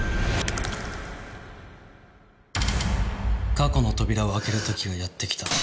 過去の扉を開ける時がやってきた。